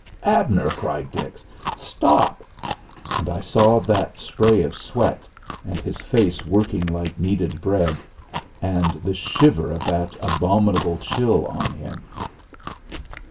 "Abner!" cried Dix. "Stop!" And I saw that spray of sweat, and his face working like kneaded bread, and the shiver of that abominable chill on him.